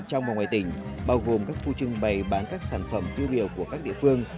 trong và ngoài tỉnh bao gồm các khu trưng bày bán các sản phẩm tiêu biểu của các địa phương